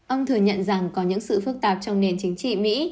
ông thừa nhận rằng có những sự phức tạp trong nền chính trị mỹ